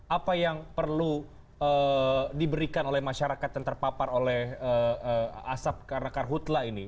apa yang perlu diberikan oleh masyarakat yang terpapar oleh asap karena karhutlah ini